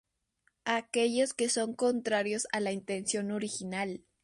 Aquellos que son contrarios a la intención original.